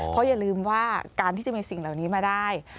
เพราะอย่าลืมว่าการที่จะมีสิ่งเหล่านี้มาได้